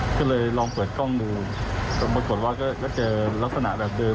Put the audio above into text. ก็เลยลองเปิดกล้องดูก็ปรากฏว่าก็เจอลักษณะแบบเดิม